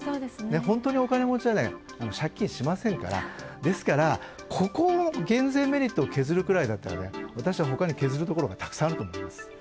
本当にお金持ちじゃないと借金しませんからここを減税メリットを削るくらいだったら削るところがたくさんあると思います。